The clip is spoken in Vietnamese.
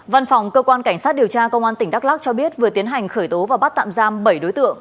văn phòng cơ quan cảnh sát điều tra công an tỉnh đắk lắc cho biết vừa tiến hành khởi tố và bắt tạm giam bảy đối tượng